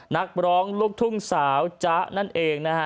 นักร้องลูกทุ่งสาวจ๊ะนั่นเองนะฮะ